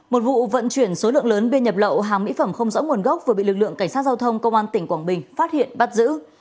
một vụ vận chuyển số lượng lớn biên nhập lậu hàng mỹ phẩm không rõ nguồn gốc vừa bị lực lượng cảnh sát giao thông công an tỉnh quảng bình phát hiện bắt giữ